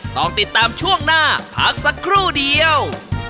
ต้องติดตามช่วงหน้าพักสักครู่เดียว